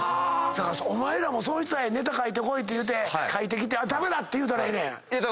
お前らも「ネタ書いてこい」って言うて書いてきて「駄目だ」って言うたらええねん。